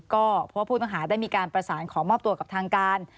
ก็เพราะว่าผู้ต้องหาได้มีการประสานขอมอบตัวกับทางการ